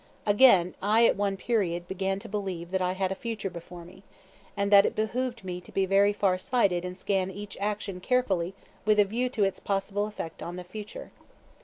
Again, I at one period began to believe that I had a future before me, and that it behooved me to be very far sighted and scan each action carefully with a view to its possible effect on that future.